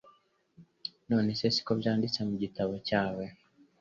None se si ko byanditse mu gitabo cyawe?